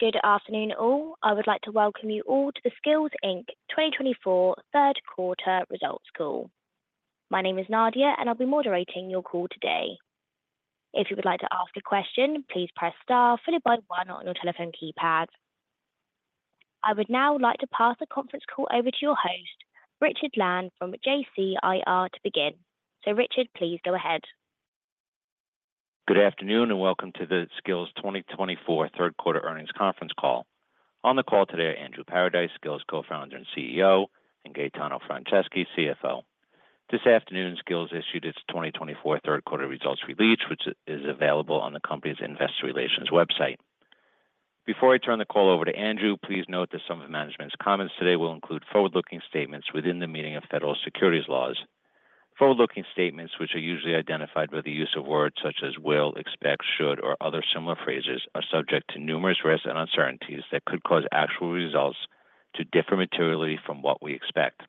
Good afternoon, all. I would like to welcome you all to the Skillz Inc 2024 third quarter results call. My name is Nadia, and I'll be moderating your call today. If you would like to ask a question, please press star followed by one on your telephone keypad. I would now like to pass the conference call over to your host, Richard Land, from JCIR to begin. So Richard, please go ahead. Good afternoon and welcome to the Skillz 2024 third quarter earnings conference call. On the call today are Andrew Paradise, Skillz Co-founder and CEO, and Gaetano Franceschi, CFO. This afternoon, Skillz issued its 2024 third quarter results release, which is available on the company's investor relations website. Before I turn the call over to Andrew, please note that some of management's comments today will include forward-looking statements within the meaning of federal securities laws. Forward-looking statements, which are usually identified by the use of words such as will, expect, should, or other similar phrases, are subject to numerous risks and uncertainties that could cause actual results to differ materially from what we expect.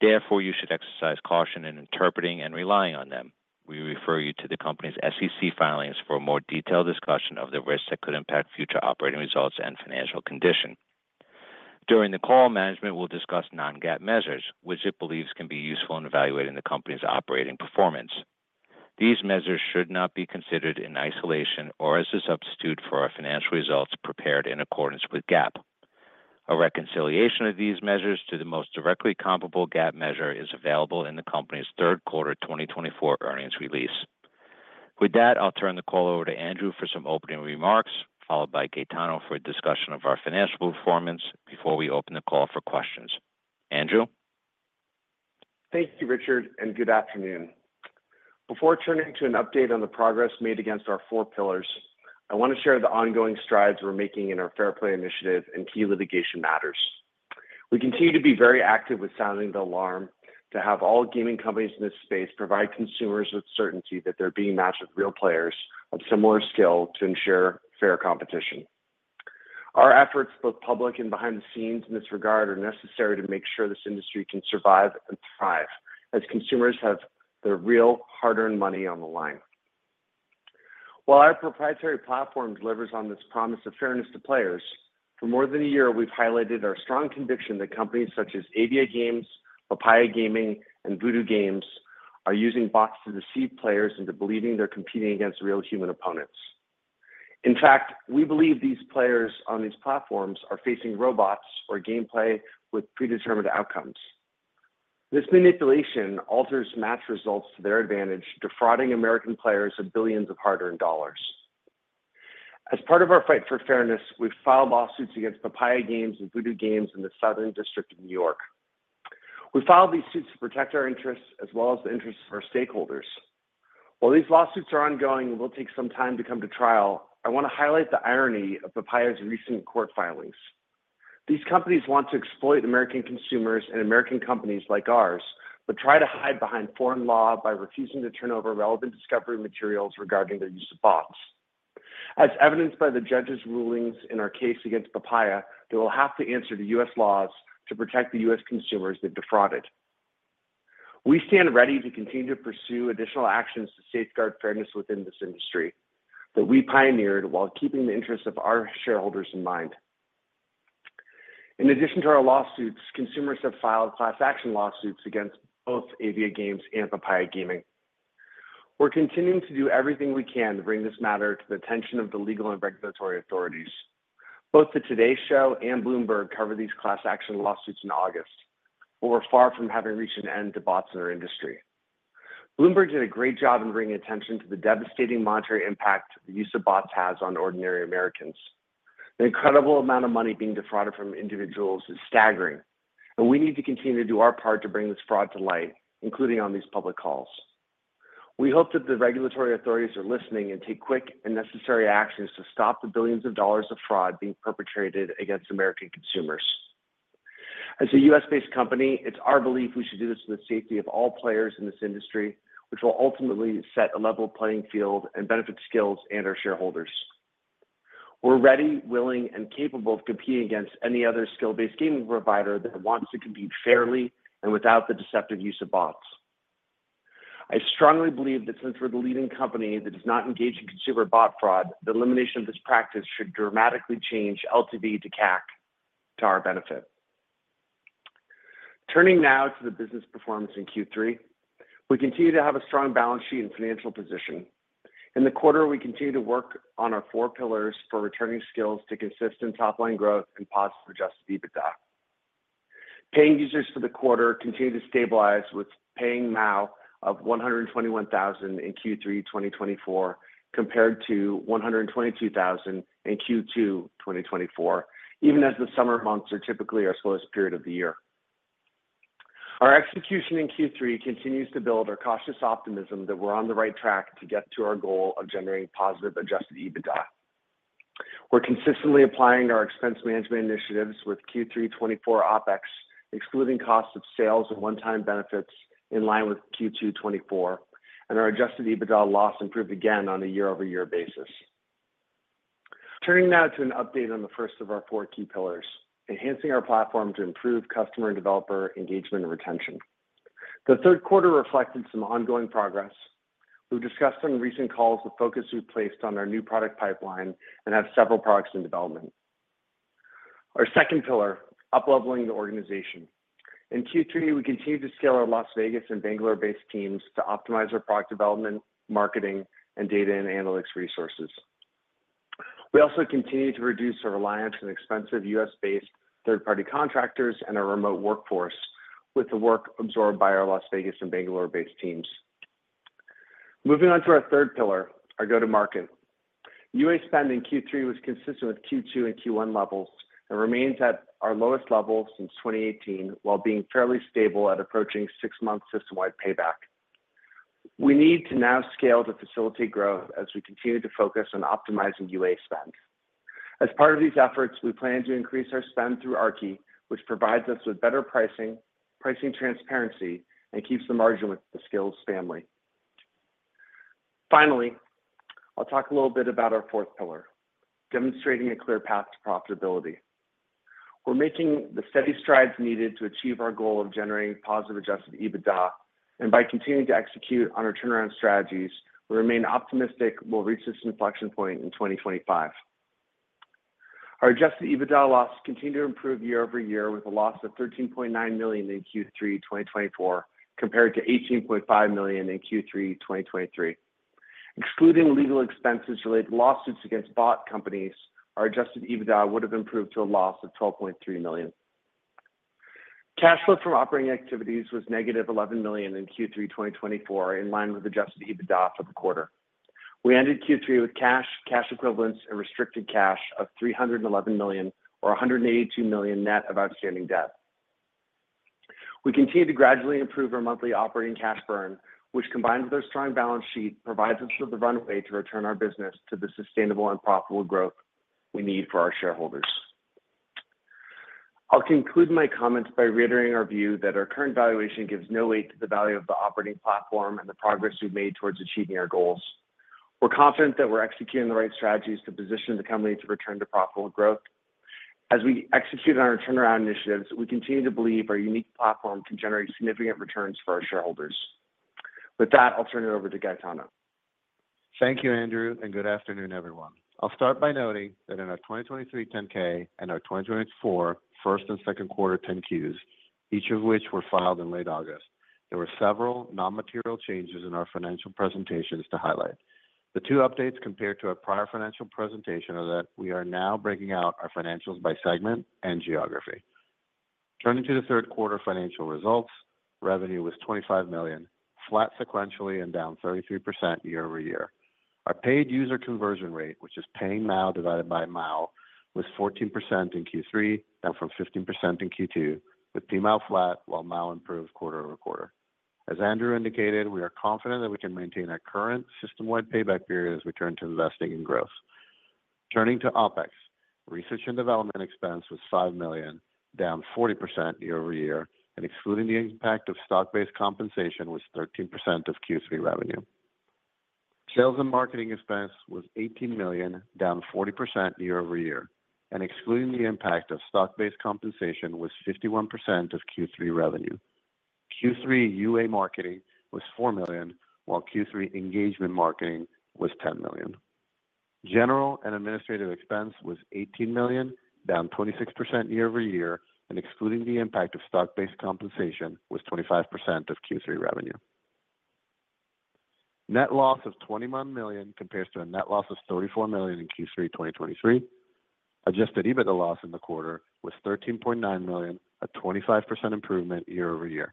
Therefore, you should exercise caution in interpreting and relying on them. We refer you to the company's SEC filings for a more detailed discussion of the risks that could impact future operating results and financial condition. During the call, management will discuss non-GAAP measures, which it believes can be useful in evaluating the company's operating performance. These measures should not be considered in isolation or as a substitute for our financial results prepared in accordance with GAAP. A reconciliation of these measures to the most directly comparable GAAP measure is available in the company's third quarter 2024 earnings release. With that, I'll turn the call over to Andrew for some opening remarks, followed by Gaetano for a discussion of our financial performance before we open the call for questions. Andrew? Thank you, Richard, and good afternoon. Before turning to an update on the progress made against our four pillars, I want to share the ongoing strides we're making in our Fair Play Initiative and key litigation matters. We continue to be very active with sounding the alarm to have all gaming companies in this space provide consumers with certainty that they're being matched with real players of similar skill to ensure fair competition. Our efforts, both public and behind the scenes in this regard, are necessary to make sure this industry can survive and thrive as consumers have their real hard-earned money on the line. While our proprietary platform delivers on this promise of fairness to players, for more than a year, we've highlighted our strong conviction that companies such as AviaGames, Papaya Gaming, and Voodoo Games are using bots to deceive players into believing they're competing against real human opponents. In fact, we believe these players on these platforms are facing robots or gameplay with predetermined outcomes. This manipulation alters match results to their advantage, defrauding American players of billions of hard-earned dollars. As part of our fight for fairness, we've filed lawsuits against Papaya Gaming and Voodoo Games in the Southern District of New York. We filed these suits to protect our interests as well as the interests of our stakeholders. While these lawsuits are ongoing and will take some time to come to trial, I want to highlight the irony of Papaya's recent court filings. These companies want to exploit American consumers and American companies like ours, but try to hide behind foreign law by refusing to turn over relevant discovery materials regarding their use of bots. As evidenced by the judge's rulings in our case against Papaya, they will have to answer to U.S. laws to protect the U.S. consumers they've defrauded. We stand ready to continue to pursue additional actions to safeguard fairness within this industry that we pioneered while keeping the interests of our shareholders in mind. In addition to our lawsuits, consumers have filed class action lawsuits against both AviaGames and Papaya Gaming. We're continuing to do everything we can to bring this matter to the attention of the legal and regulatory authorities. Both The Today Show and Bloomberg covered these class action lawsuits in August, but we're far from having reached an end to bots in our industry. Bloomberg did a great job in bringing attention to the devastating monetary impact the use of bots has on ordinary Americans. The incredible amount of money being defrauded from individuals is staggering, and we need to continue to do our part to bring this fraud to light, including on these public calls. We hope that the regulatory authorities are listening and take quick and necessary actions to stop the billions of dollars of fraud being perpetrated against American consumers. As a U.S.-based company, it's our belief we should do this with the safety of all players in this industry, which will ultimately set a level playing field and benefit Skillz and our shareholders. We're ready, willing, and capable of competing against any other skill-based gaming provider that wants to compete fairly and without the deceptive use of bots. I strongly believe that since we're the leading company that does not engage in consumer bot fraud, the elimination of this practice should dramatically change LTV to CAC to our benefit. Turning now to the business performance in Q3, we continue to have a strong balance sheet and financial position. In the quarter, we continue to work on our four pillars for returning Skillz to consistent top-line growth and positive adjusted EBITDA. Paying users for the quarter continued to stabilize with Paying MAU of 121,000 in Q3 2024 compared to 122,000 in Q2 2024, even as the summer months are typically our slowest period of the year. Our execution in Q3 continues to build our cautious optimism that we're on the right track to get to our goal of generating positive adjusted EBITDA. We're consistently applying our expense management initiatives with Q3 2024 OpEx, excluding costs of sales and one-time benefits in line with Q2 2024, and our adjusted EBITDA loss improved again on a year-over-year basis. Turning now to an update on the first of our four key pillars, Enhancing our Platform to improve customer and developer engagement and retention. The third quarter reflected some ongoing progress. We've discussed on recent calls the focus we've placed on our new product pipeline and have several products in development. Our second pillar, Up-leveling the Organization. In Q3, we continued to scale our Las Vegas and Bangalore-based teams to optimize our product development, marketing, and data and analytics resources. We also continue to reduce our reliance on expensive U.S.-based third-party contractors and our remote workforce with the work absorbed by our Las Vegas and Bangalore-based teams. Moving on to our third pillar, our Go-to-Market. UA spend in Q3 was consistent with Q2 and Q1 levels and remains at our lowest level since 2018 while being fairly stable at approaching six-month system-wide payback. We need to now scale to facilitate growth as we continue to focus on optimizing UA spend. As part of these efforts, we plan to increase our spend through Aarki, which provides us with better pricing, pricing transparency, and keeps the margin with the Skillz family. Finally, I'll talk a little bit about our fourth pillar, Demonstrating a Clear Path to Profitability. We're making the steady strides needed to achieve our goal of generating positive adjusted EBITDA, and by continuing to execute on our turnaround strategies, we remain optimistic we'll reach this inflection point in 2025. Our adjusted EBITDA loss continued to improve year-over-year with a loss of $13.9 million in Q3 2024 compared to $18.5 million in Q3 2023. Excluding legal expenses related to lawsuits against bot companies, our adjusted EBITDA would have improved to a loss of $12.3 million. Cash flow from operating activities was negative $11 million in Q3 2024 in line with adjusted EBITDA for the quarter. We ended Q3 with cash, cash equivalents, and restricted cash of $311 million, or $182 million net of outstanding debt. We continue to gradually improve our monthly operating cash burn, which, combined with our strong balance sheet, provides us with the runway to return our business to the sustainable and profitable growth we need for our shareholders. I'll conclude my comments by reiterating our view that our current valuation gives no weight to the value of the operating platform and the progress we've made towards achieving our goals. We're confident that we're executing the right strategies to position the company to return to profitable growth. As we execute on our turnaround initiatives, we continue to believe our unique platform can generate significant returns for our shareholders. With that, I'll turn it over to Gaetano. Thank you, Andrew, and good afternoon, everyone. I'll start by noting that in our 2023 10-K and our 2024 first and second quarter 10-Qs, each of which were filed in late August, there were several non-material changes in our financial presentations to highlight. The two updates compared to our prior financial presentation are that we are now breaking out our financials by segment and geography. Turning to the third quarter financial results, revenue was $25 million, flat sequentially and down 33% year-over-year. Our paid user conversion rate, which is Paying MAU divided by MAU, was 14% in Q3, down from 15% in Q2, with Paying MAU flat while MAU improved quarter-over-quarter. As Andrew indicated, we are confident that we can maintain our current system-wide payback period as we turn to investing in growth. Turning to OpEx, research and development expense was $5 million, down 40% year-over-year, and excluding the impact of stock-based compensation was 13% of Q3 revenue. Sales and marketing expense was $18 million, down 40% year-over-year, and excluding the impact of stock-based compensation was 51% of Q3 revenue. Q3 UA marketing was $4 million, while Q3 engagement marketing was $10 million. General and administrative expense was $18 million, down 26% year-over-year, and excluding the impact of stock-based compensation was 25% of Q3 revenue. Net loss of $21 million compares to a net loss of $34 million in Q3 2023. Adjusted EBITDA loss in the quarter was $13.9 million, a 25% improvement year-over-year.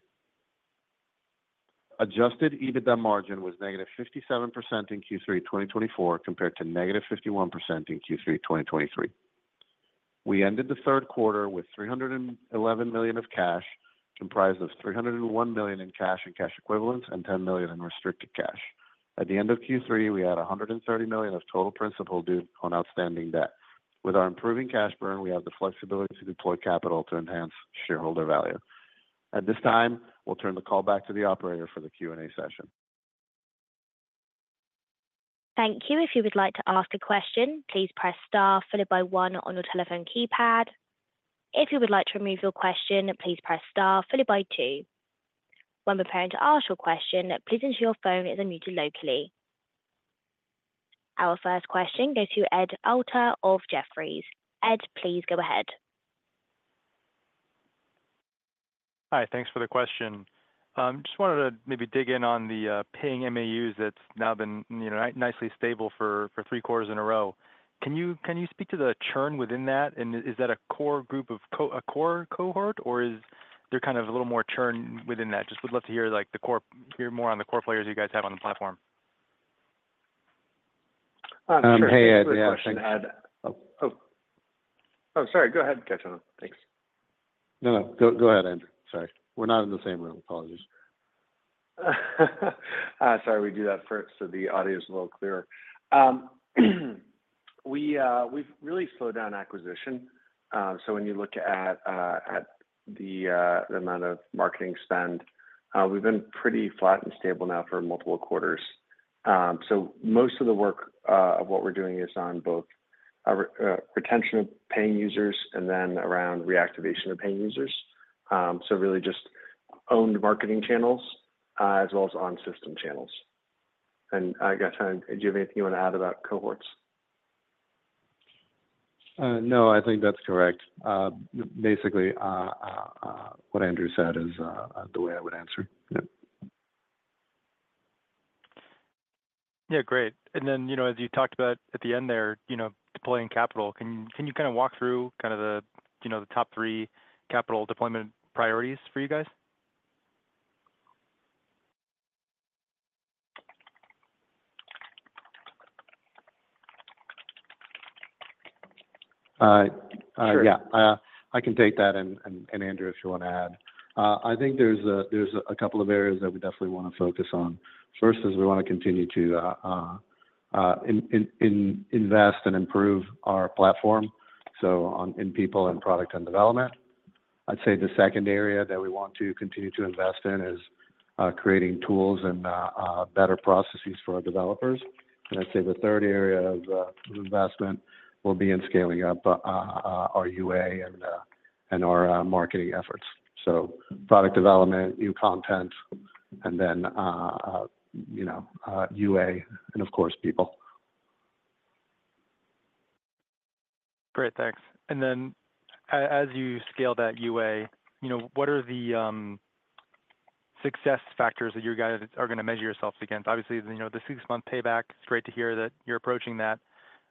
Adjusted EBITDA margin was negative 57% in Q3 2024 compared to negative 51% in Q3 2023. We ended the third quarter with $311 million of cash, comprised of $301 million in cash and cash equivalents, and $10 million in restricted cash. At the end of Q3, we had $130 million of total principal due on outstanding debt. With our improving cash burn, we have the flexibility to deploy capital to enhance shareholder value. At this time, we'll turn the call back to the operator for the Q&A session. Thank you. If you would like to ask a question, please press star followed by one on your telephone keypad. If you would like to remove your question, please press star followed by two. When preparing to ask your question, please ensure your phone is unmuted locally. Our first question goes to Ed Alter of Jefferies. Ed, please go ahead. Hi, thanks for the question. Just wanted to maybe dig in on the Paying MAUs that's now been nicely stable for three quarters in a row. Can you speak to the churn within that? And is that a core group of a core cohort, or is there kind of a little more churn within that? Just would love to hear more on the core players you guys have on the platform. Hey, Ed, I had a question. Oh, sorry. Go ahead, Gaetano. Thanks. No, no. Go ahead, Andrew. Sorry. We're not in the same room. Apologies. Sorry, we do that first so the audio is a little clearer. We've really slowed down acquisition. So when you look at the amount of marketing spend, we've been pretty flat and stable now for multiple quarters. So most of the work of what we're doing is on both retention of paying users and then around reactivation of paying users. So really just owned marketing channels as well as on-system channels. And Gaetano, do you have anything you want to add about cohorts? No, I think that's correct. Basically, what Andrew said is the way I would answer. Yeah. Yeah, great. And then as you talked about at the end there, deploying capital, can you kind of walk through kind of the top three capital deployment priorities for you guys? Sure. Yeah, I can take that, and Andrew, if you want to add. I think there's a couple of areas that we definitely want to focus on. First is we want to continue to invest and improve our platform, so in people and product and development. I'd say the second area that we want to continue to invest in is creating tools and better processes for our developers, and I'd say the third area of investment will be in scaling up our UA and our marketing efforts, so product development, new content, and then UA, and of course, people. Great, thanks. And then as you scale that UA, what are the success factors that you guys are going to measure yourselves against? Obviously, the six-month payback, it's great to hear that you're approaching that.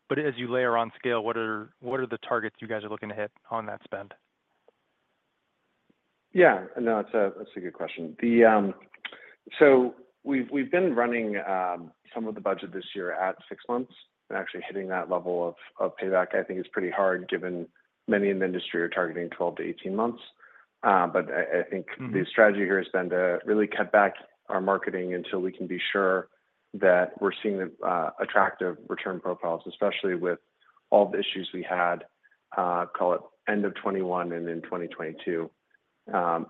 But as you layer on scale, what are the targets you guys are looking to hit on that spend? Yeah. No, that's a good question. So we've been running some of the budget this year at six months. Actually hitting that level of payback, I think, is pretty hard given many in the industry are targeting 12 to 18 months. But I think the strategy here has been to really cut back our marketing until we can be sure that we're seeing attractive return profiles, especially with all the issues we had, call it end of 2021 and in 2022.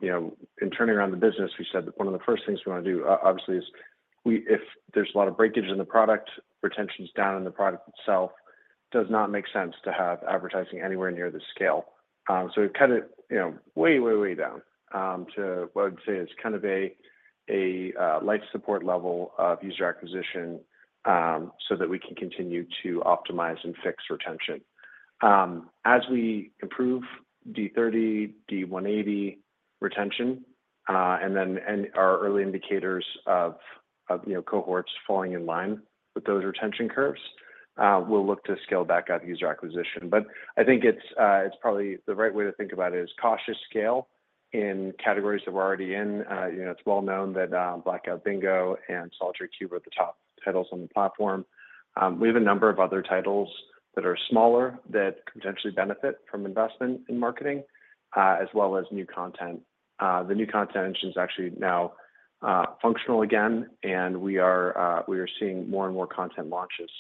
In turning around the business, we said that one of the first things we want to do, obviously, is if there's a lot of breakage in the product, retention's down in the product itself, it does not make sense to have advertising anywhere near the scale. So we've cut it way, way, way down to what I'd say is kind of a life support level of user acquisition so that we can continue to optimize and fix retention. As we improve D30, D180 retention, and then our early indicators of cohorts falling in line with those retention curves, we'll look to scale back at user acquisition. But I think it's probably the right way to think about it is cautious scale in categories that we're already in. It's well known that Blackout Bingo and Solitaire Cube are the top titles on the platform. We have a number of other titles that are smaller that potentially benefit from investment in marketing, as well as new content. The new content is actually now functional again, and we are seeing more and more content launches.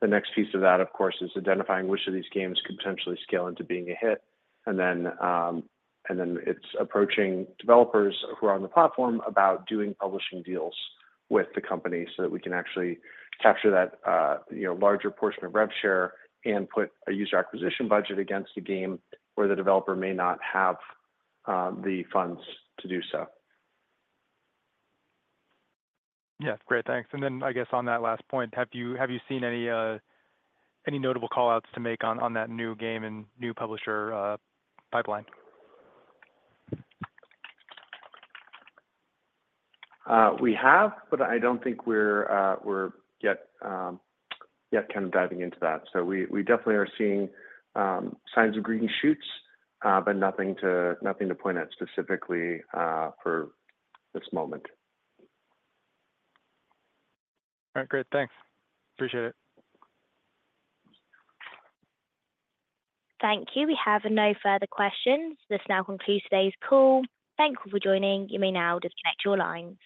So the next piece of that, of course, is identifying which of these games could potentially scale into being a hit. And then it's approaching developers who are on the platform about doing publishing deals with the company so that we can actually capture that larger portion of rev share and put a user acquisition budget against a game where the developer may not have the funds to do so. Yeah, great, thanks. And then I guess on that last point, have you seen any notable callouts to make on that new game and new publisher pipeline? We have, but I don't think we're yet kind of diving into that. So we definitely are seeing signs of green shoots, but nothing to point at specifically for this moment. All right, great. Thanks. Appreciate it. Thank you. We have no further questions. This now concludes today's call. Thank you for joining. You may now disconnect your lines.